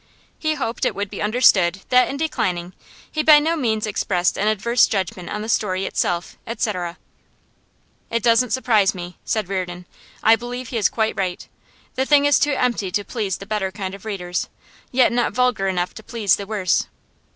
He hoped it would be understood that, in declining, he by no means expressed an adverse judgment on the story itself &c. 'It doesn't surprise me,' said Reardon. 'I believe he is quite right. The thing is too empty to please the better kind of readers, yet not vulgar enough to please the worse.